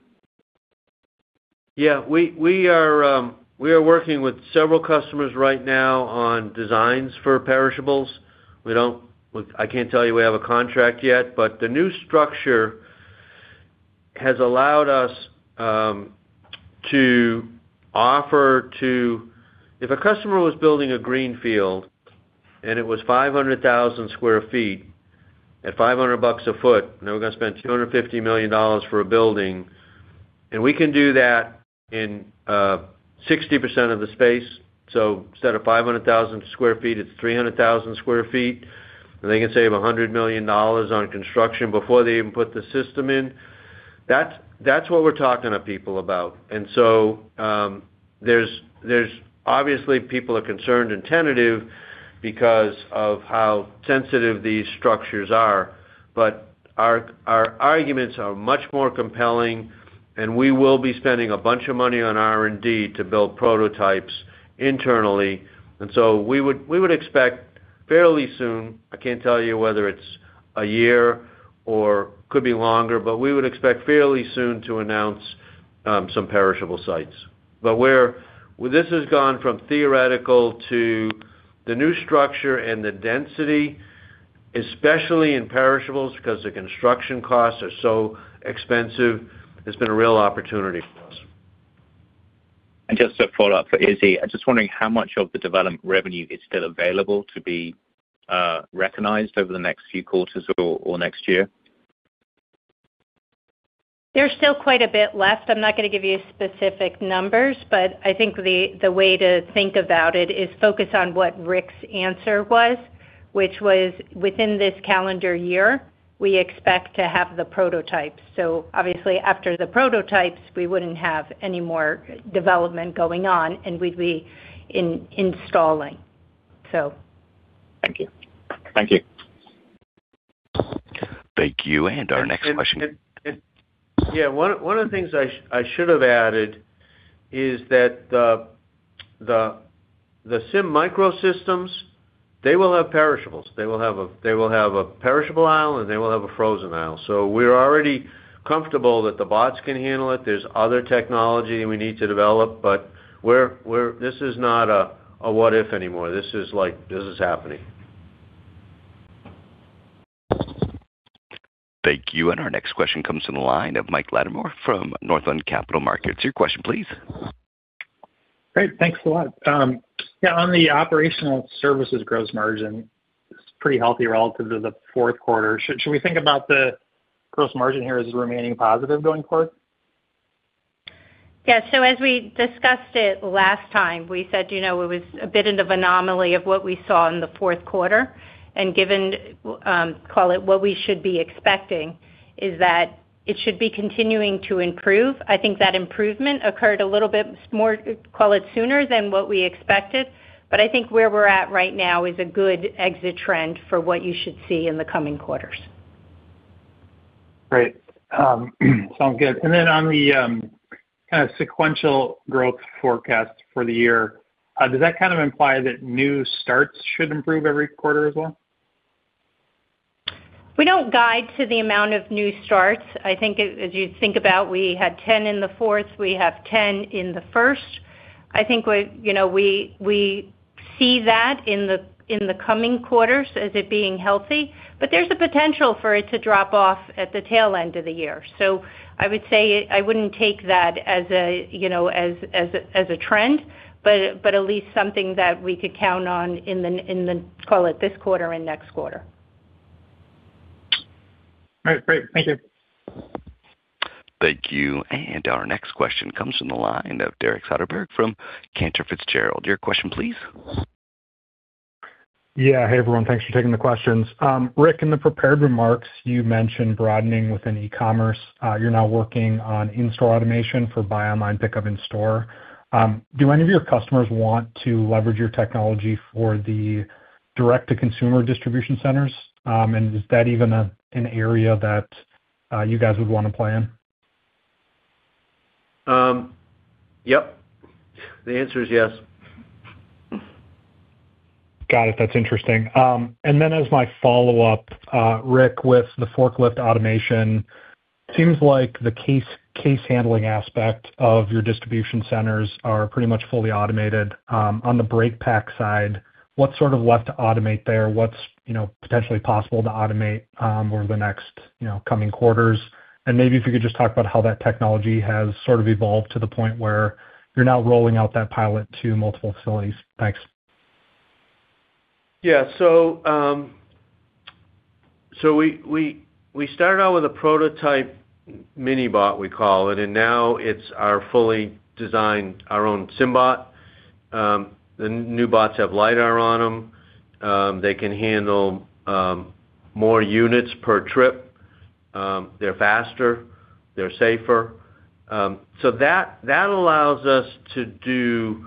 Yeah, we are working with several customers right now on designs for perishables. We don't, I can't tell you we have a contract yet, but the new structure has allowed us to offer to... If a customer was building a greenfield, and it was 500,000 sq ft at $500 a foot, now we're gonna spend $250 million for a building, and we can do that in 60% of the space. So instead of 500,000 sq ft, it's 300,000 sq ft, and they can save $100 million on construction before they even put the system in. That's what we're talking to people about. And so, there's obviously people are concerned and tentative because of how sensitive these structures are. But our arguments are much more compelling, and we will be spending a bunch of money on R&D to build prototypes internally. And so we would expect fairly soon, I can't tell you whether it's a year or could be longer, but we would expect fairly soon to announce some perishable sites. But where this has gone from theoretical to the new structure and the density, especially in perishables, 'cause the construction costs are so expensive, has been a real opportunity for us. Just a follow-up for Izzy. I'm just wondering how much of the development revenue is still available to be recognized over the next few quarters or next year? There's still quite a bit left. I'm not gonna give you specific numbers, but I think the way to think about it is focus on what Rick's answer was, which was within this calendar year, we expect to have the prototypes. So obviously, after the prototypes, we wouldn't have any more development going on, and we'd be in installing, so. Thank you. Thank you. And our next question- Yeah, one of the things I should have added is that the SymMicro Systems, they will have perishables. They will have a perishable aisle, and they will have a frozen aisle. So we're already comfortable that the bots can handle it. There's other technology we need to develop, but we're—this is not a what if anymore. This is like, this is happening. Thank you. Our next question comes from the line of Mike Latimore from Northland Capital Markets. Your question, please. Great, thanks a lot. Yeah, on the operational services gross margin, it's pretty healthy relative to the fourth quarter. Should we think about the gross margin here as remaining positive going forward? Yeah, so as we discussed it last time, we said, you know, it was a bit of an anomaly of what we saw in the fourth quarter, and given, call it, what we should be expecting, is that it should be continuing to improve. I think that improvement occurred a little bit more, call it sooner than what we expected, but I think where we're at right now is a good exit trend for what you should see in the coming quarters. Great. Sounds good. And then on the kind of sequential growth forecast for the year, does that kind of imply that new starts should improve every quarter as well? We don't guide to the amount of new starts. I think as you think about, we had 10 in the fourth, we have 10 in the first. I think we, you know, we see that in the coming quarters as it being healthy, but there's a potential for it to drop off at the tail end of the year. So I would say I wouldn't take that as a, you know, as a trend, but at least something that we could count on in the, call it this quarter and next quarter. All right, great. Thank you. Thank you. And our next question comes from the line of Derek Soderberg from Cantor Fitzgerald. Your question, please. Yeah. Hey, everyone. Thanks for taking the questions. Rick, in the prepared remarks, you mentioned broadening within e-commerce. You're now working on in-store automation for buy online, pickup in store. Do any of your customers want to leverage your technology for the direct-to-consumer distribution centers? And is that even an area that you guys would want to play in? Yep. The answer is yes. Got it. That's interesting. And then as my follow-up, Rick, with the forklift automation, seems like the case, case handling aspect of your distribution centers are pretty much fully automated. On the break pack side, what's sort of left to automate there? What's, you know, potentially possible to automate, over the next, you know, coming quarters? And maybe if you could just talk about how that technology has sort of evolved to the point where you're now rolling out that pilot to multiple facilities. Thanks. Yeah. So, we started out with a prototype MiniBot, we call it, and now it's our fully designed, our own SymBot. The new bots have LIDAR on them. They can handle more units per trip. They're faster, they're safer. So that allows us to do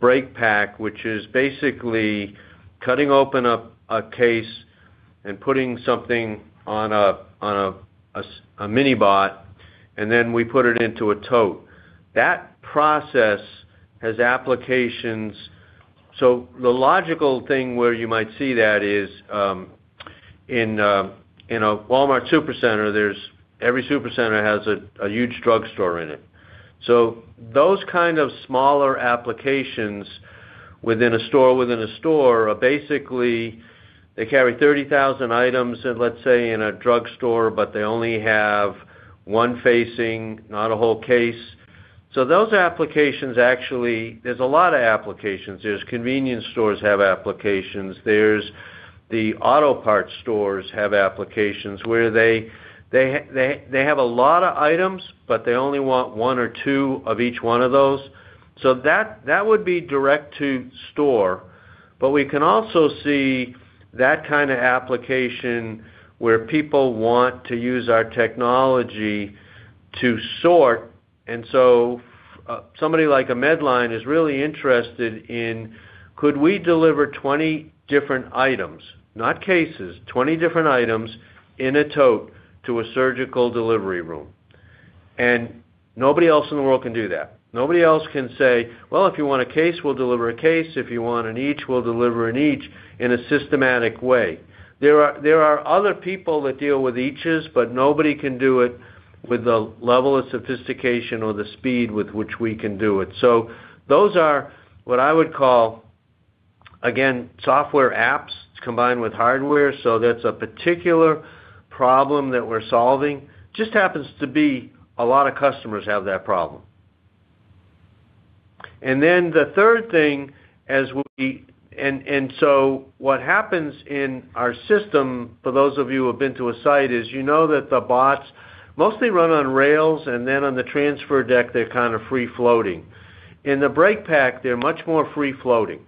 break pack, which is basically cutting open up a case and putting something on a MiniBot, and then we put it into a tote. That process has applications. So the logical thing where you might see that is in a Walmart supercenter, there's every supercenter has a huge drugstore in it. So those kind of smaller applications within a store, within a store are basically, they carry 30,000 items in, let's say, in a drugstore, but they only have one facing, not a whole case. So those applications, actually, there's a lot of applications. There's convenience stores have applications, there's the auto parts stores have applications where they have a lot of items, but they only want one or two of each one of those. So that would be direct to store. But we can also see that kind of application where people want to use our technology to sort, and so somebody like a Medline is really interested in, could we deliver 20 different items, not cases, 20 different items in a tote to a surgical delivery room? And nobody else in the world can do that. Nobody else can say, "Well, if you want a case, we'll deliver a case. If you want an each, we'll deliver an each in a systematic way." There are, there are other people that deal with eaches, but nobody can do it with the level of sophistication or the speed with which we can do it. So those are what I would call, again, software apps combined with hardware. So that's a particular problem that we're solving. Just happens to be a lot of customers have that problem. And then the third thing, And, and so what happens in our system, for those of you who have been to a site, is you know that the bots mostly run on rails, and then on the transfer deck, they're kind of free floating. In the break pack, they're much more free floating,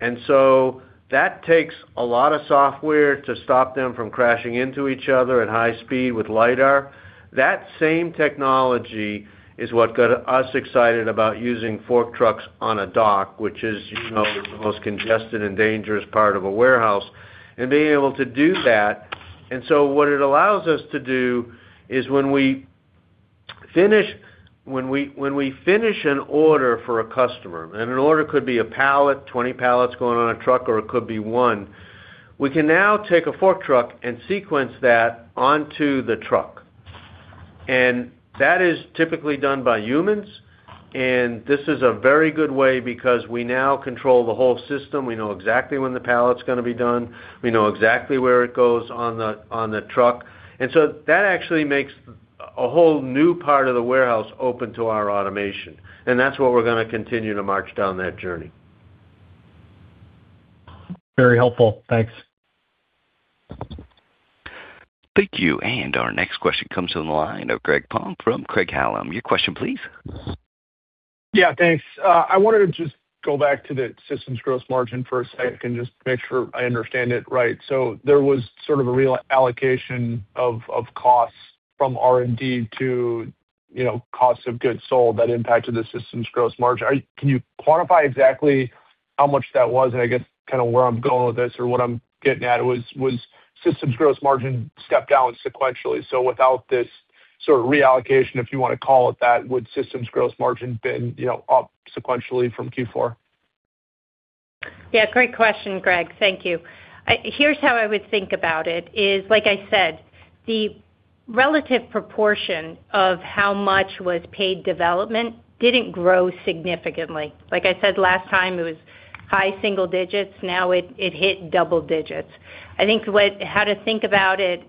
and so that takes a lot of software to stop them from crashing into each other at high speed with LIDAR. That same technology is what got us excited about using fork trucks on a dock, which is, you know, the most congested and dangerous part of a warehouse, and being able to do that. And so what it allows us to do is when we finish an order for a customer, and an order could be a pallet, 20 pallets going on a truck, or it could be one, we can now take a fork truck and sequence that onto the truck. And that is typically done by humans, and this is a very good way because we now control the whole system. We know exactly when the pallet's gonna be done. We know exactly where it goes on the truck. And so that actually makes a whole new part of the warehouse open to our automation, and that's what we're gonna continue to march down that journey. Very helpful. Thanks. Thank you. Our next question comes from the line of Greg Palm from Craig-Hallum. Your question, please. Yeah, thanks. I wanted to just go back to the Systems gross margin for a second and just make sure I understand it right. So there was sort of a real allocation of, of costs- from R&D to, you know, cost of goods sold that impacted the Systems gross margin. Are- Can you quantify exactly how much that was? And I guess, kinda where I'm going with this or what I'm getting at was, was Systems gross margin stepped down sequentially. So without this sort of reallocation, if you wanna call it that, would Systems gross margin been, you know, up sequentially from Q4? Yeah, great question, Greg. Thank you. Here's how I would think about it, is, like I said, the relative proportion of how much was paid development didn't grow significantly. Like I said, last time, it was high single digits, now it, it hit double digits. I think how to think about it,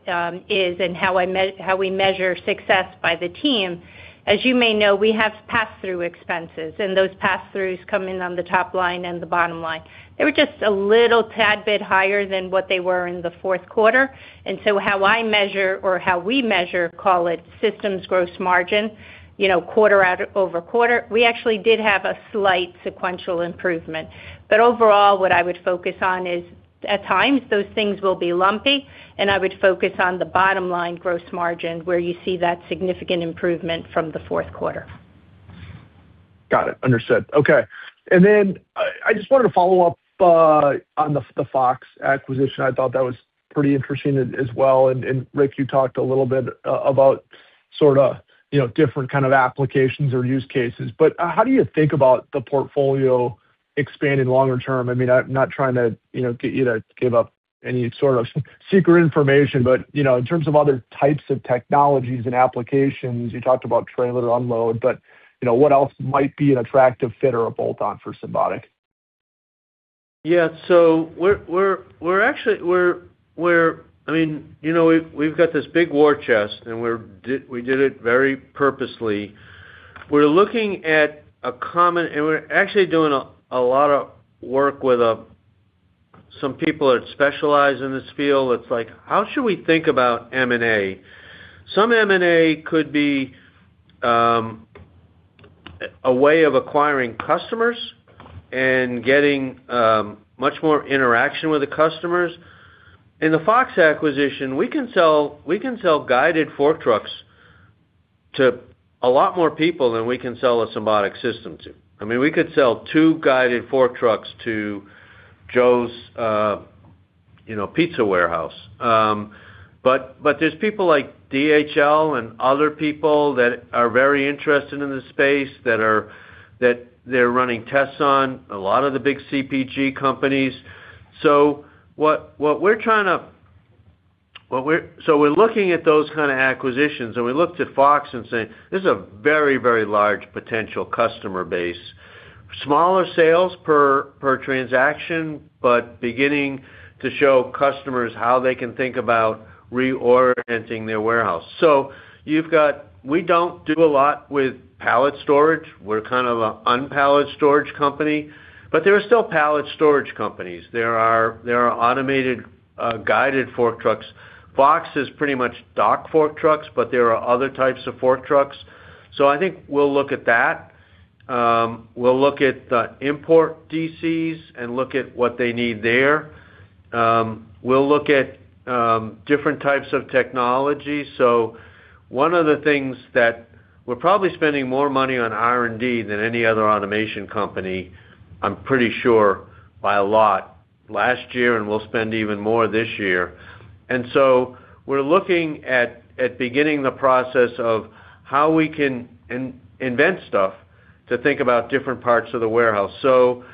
is, and how I how we measure success by the team, as you may know, we have pass-through expenses, and those pass-throughs come in on the top line and the bottom line. They were just a little tad bit higher than what they were in the fourth quarter. And so how I measure or how we measure, call it, Systems gross margin, you know, quarter over quarter, we actually did have a slight sequential improvement. Overall, what I would focus on is, at times, those things will be lumpy, and I would focus on the bottom line gross margin, where you see that significant improvement from the fourth quarter. Got it. Understood. Okay. And then I just wanted to follow up on the Fox acquisition. I thought that was pretty interesting as well. And Rick, you talked a little bit about sorta, you know, different kind of applications or use cases. But how do you think about the portfolio expanding longer term? I mean, I'm not trying to, you know, get you to give up any sort of secret information, but you know, in terms of other types of technologies and applications, you talked about trailer unload, but you know, what else might be an attractive fit or a bolt-on for Symbotic? Yeah, so we're actually... I mean, you know, we've got this big war chest, and we did it very purposely. We're looking at a common-- And we're actually doing a lot of work with some people that specialize in this field. It's like, how should we think about M&A? Some M&A could be a way of acquiring customers and getting much more interaction with the customers. In the Fox acquisition, we can sell guided fork trucks to a lot more people than we can sell a Symbotic system to. I mean, we could sell two guided fork trucks to Joe's Pizza warehouse. But there's people like DHL and other people that are very interested in this space, that they're running tests on a lot of the big CPG companies. So we're looking at those kind of acquisitions, and we looked at Fox and saying, "This is a very, very large potential customer base." Smaller sales per transaction, but beginning to show customers how they can think about reorienting their warehouse. So you've got. We don't do a lot with pallet storage. We're kind of an unpalletized storage company, but there are still pallet storage companies. There are automated guided fork trucks. Fox is pretty much autonomous fork trucks, but there are other types of fork trucks. So I think we'll look at that. We'll look at the import DCs and look at what they need there. We'll look at different types of technology. So one of the things that we're probably spending more money on R&D than any other automation company, I'm pretty sure, by a lot, last year, and we'll spend even more this year. So we're looking at beginning the process of how we can invent stuff to think about different parts of the warehouse. So,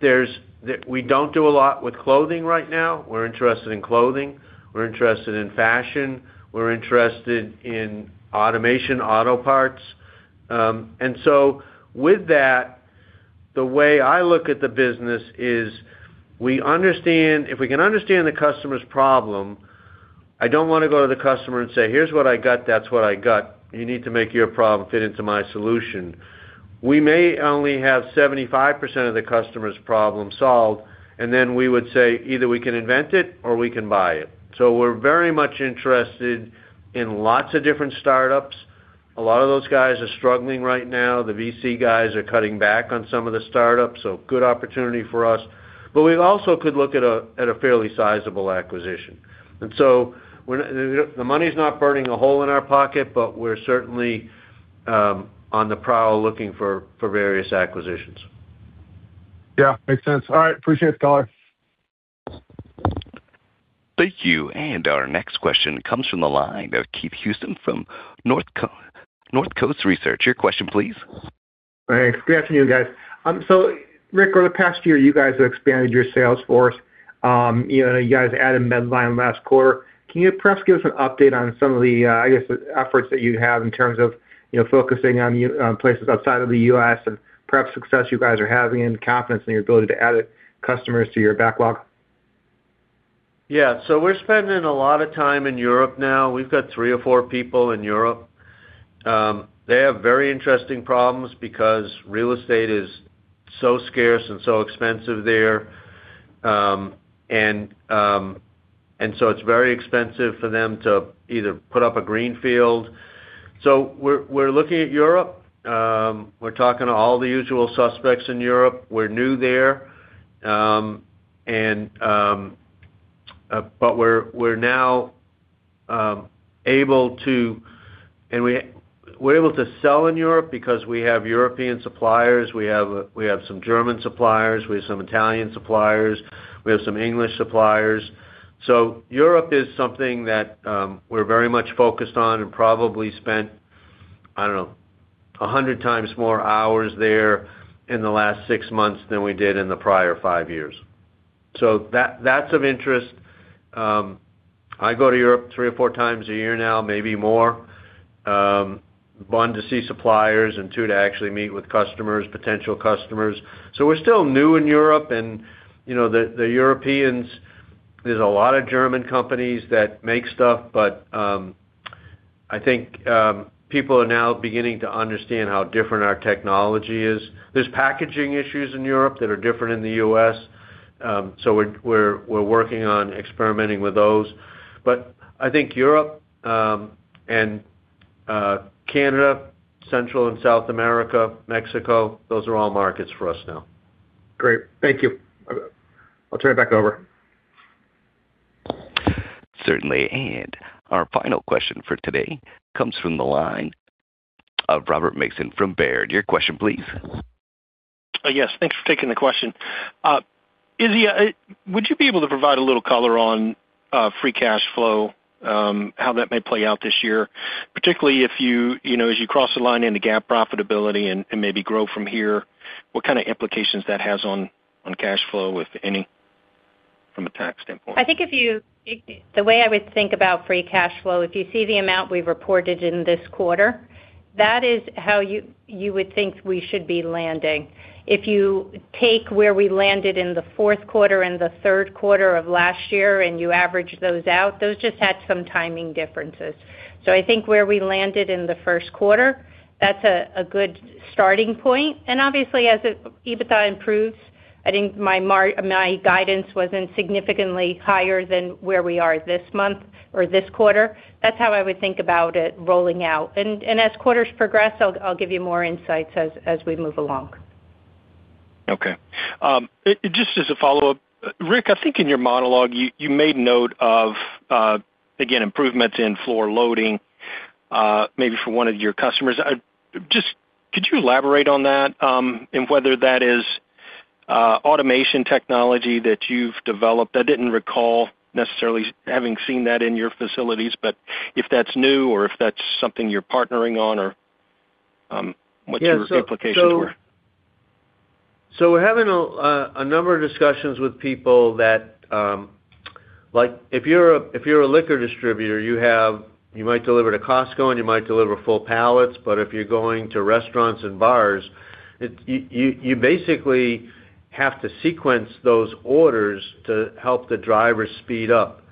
there's. We don't do a lot with clothing right now. We're interested in clothing, we're interested in fashion, we're interested in automation, auto parts. And so with that, the way I look at the business is, we understand if we can understand the customer's problem, I don't wanna go to the customer and say: Here's what I got, that's what I got. You need to make your problem fit into my solution. We may only have 75% of the customer's problem solved, and then we would say, "Either we can invent it or we can buy it." So we're very much interested in lots of different startups. A lot of those guys are struggling right now. The VC guys are cutting back on some of the startups, so good opportunity for us. But we also could look at a fairly sizable acquisition. And so we're. The money's not burning a hole in our pocket, but we're certainly on the prowl, looking for various acquisitions. Yeah, makes sense. All right. Appreciate the call. Thank you, and our next question comes from the line of Keith Housum from North Coast Research. Your question, please. Thanks. Good afternoon, guys. So Rick, over the past year, you guys have expanded your sales force. You know, you guys added Medline last quarter. Can you perhaps give us an update on some of the, I guess, efforts that you have in terms of, you know, focusing on on places outside of the U.S. and perhaps success you guys are having and confidence in your ability to add customers to your backlog? Yeah, so we're spending a lot of time in Europe now. We've got three or four people in Europe. They have very interesting problems because real estate is so scarce and so expensive there. And so it's very expensive for them to either put up a greenfield. So we're looking at Europe. We're talking to all the usual suspects in Europe. We're new there.... But we're now able to sell in Europe because we have European suppliers. We have some German suppliers, some Italian suppliers, some English suppliers. So Europe is something that we're very much focused on and probably spent, I don't know, 100 times more hours there in the last six months than we did in the prior five years. So that, that's of interest. I go to Europe three or four times a year now, maybe more, one, to see suppliers, and two, to actually meet with customers, potential customers. So we're still new in Europe, and, you know, the Europeans, there's a lot of German companies that make stuff, but, I think, people are now beginning to understand how different our technology is. There's packaging issues in Europe that are different in the U.S., so we're working on experimenting with those. But I think Europe, and, Canada, Central and South America, Mexico, those are all markets for us now. Great. Thank you. I'll turn it back over. Certainly. Our final question for today comes from the line of Robert Mason from Baird. Your question, please. Yes, thanks for taking the question. Izzy, would you be able to provide a little color on free cash flow, how that may play out this year, particularly if you, you know, as you cross the line into GAAP profitability and maybe grow from here, what kind of implications that has on cash flow, if any, from a tax standpoint? The way I would think about free cash flow, if you see the amount we've reported in this quarter, that is how you would think we should be landing. If you take where we landed in the fourth quarter and the third quarter of last year, and you average those out, those just had some timing differences. So I think where we landed in the first quarter, that's a good starting point, and obviously, as EBITDA improves, I think my mar- my guidance wasn't significantly higher than where we are this month or this quarter. That's how I would think about it rolling out. And as quarters progress, I'll give you more insights as we move along. Okay. Just as a follow-up, Rick, I think in your monologue, you made note of, again, improvements in floor loading, maybe for one of your customers. Just could you elaborate on that, and whether that is automation technology that you've developed? I didn't recall necessarily having seen that in your facilities, but if that's new or if that's something you're partnering on, or what your implications were. So we're having a number of discussions with people that, like, if you're a liquor distributor, you might deliver to Costco, and you might deliver full pallets, but if you're going to restaurants and bars, you basically have to sequence those orders to help the driver speed up.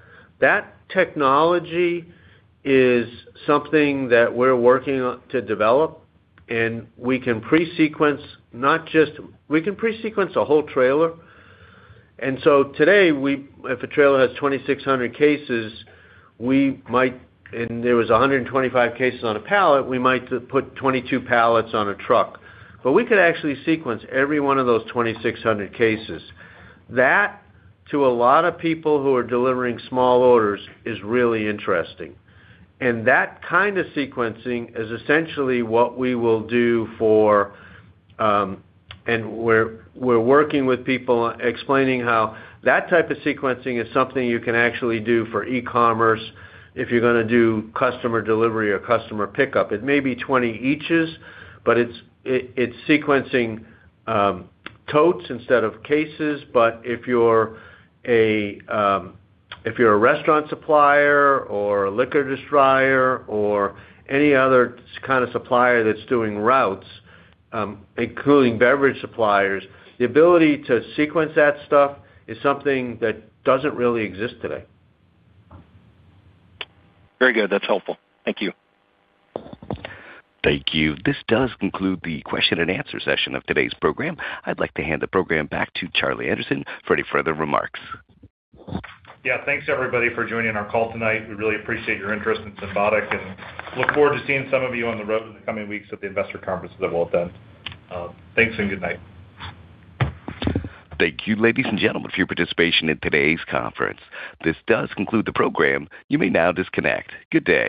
That technology is something that we're working on to develop, and we can pre-sequence, not just. We can pre-sequence a whole trailer, and so today, if a trailer has 2,600 cases, and there were 125 cases on a pallet, we might put 22 pallets on a truck. But we could actually sequence every one of those 2,600 cases. That, to a lot of people who are delivering small orders, is really interesting. And that kind of sequencing is essentially what we will do for, and we're working with people, explaining how that type of sequencing is something you can actually do for e-commerce if you're gonna do customer delivery or customer pickup. It may be 20 eaches, but it's sequencing totes instead of cases. But if you're a restaurant supplier or a liquor distributor or any other kind of supplier that's doing routes, including beverage suppliers, the ability to sequence that stuff is something that doesn't really exist today. Very good. That's helpful. Thank you. Thank you. This does conclude the question and answer session of today's program. I'd like to hand the program back to Charlie Anderson for any further remarks. Yeah, thanks, everybody, for joining our call tonight. We really appreciate your interest in Symbotic and look forward to seeing some of you on the road in the coming weeks at the investor conferences that we'll attend. Thanks, and good night. Thank you, ladies and gentlemen, for your participation in today's conference. This does conclude the program. You may now disconnect. Good day!